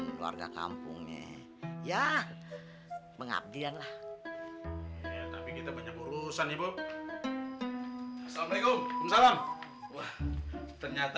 keluarga kampungnya ya pengabdian lah tapi kita penyembuh penyembuh salam salam ternyata